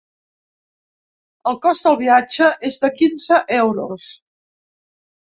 El cost del viatge és de quinze euros.